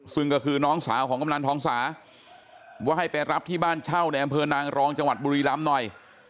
ซึ่งก็คือน้องสาวของกำนันทองสาว่าให้ไปรับที่บ้านเช่าในอำเภอนางรองจังหวัดบุรีรำหน่อย